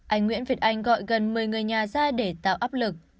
anh nguyễn việt anh gọi gần một mươi người nhà ra để tạo áp lực